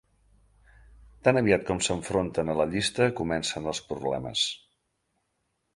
Tan aviat com s'enfronten a la llista comencen els problemes.